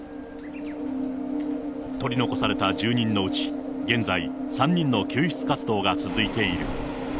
取り残された住人のうち、現在３人の救出活動が続いている。